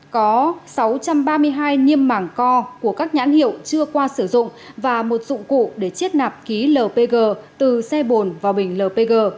có sáu trăm ba mươi hai niêm mảng co của các nhãn hiệu chưa qua sử dụng và một dụng cụ để chiết nạp ký lpg từ xe bồn vào bình lpg